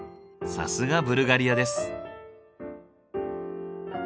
さすがブルガリアです。